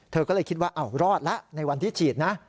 เธอก็เลยคิดว่ารอดแล้วในวันที่ฉีดนะ